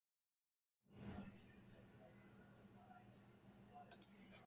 Čiʼrípani pahčía.